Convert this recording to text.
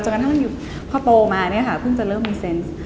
จนกระทั่งนั้นอยู่พอโปรมาเนี่ยค่ะเพิ่งจะเริ่มมีเซนส์